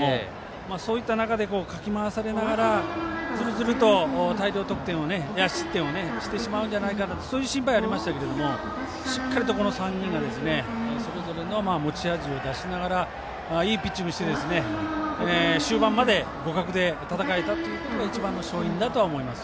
そういった中でかき回されながらずるずると大量失点をしてしまうんじゃないかというそういう心配はありましたけどしっかりと３人がそれぞれの持ち味を出しながらいいピッチングして、終盤まで互角で戦えたというのが一番の勝因だとは思います。